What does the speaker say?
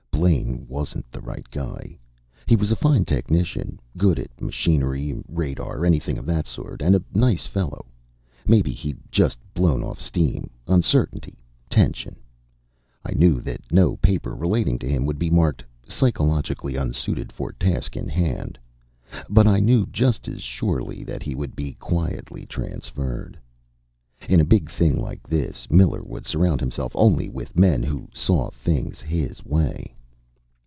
Blaine wasn't the right guy. He was a fine technician, good at machinery, radar anything of the sort. And a nice fellow. Maybe he'd just blown off steam uncertainty, tension. I knew that no paper relating to him would be marked, "Psychologically unsuited for task in hand." But I knew just as surely that he would be quietly transferred. In a big thing like this, Miller would surround himself only with men who saw things his way.